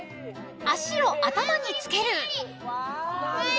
［足を頭につける］無理！